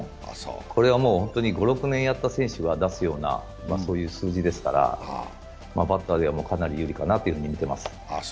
これは５６年やった選手が出すような数字ですからバッターでは、かなり有利かなと見てます。